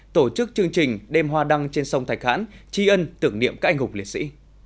tổ chức chương trình đêm hoa đăng trên sông thạch hãn tri ân tưởng niệm các anh hùng liệt sĩ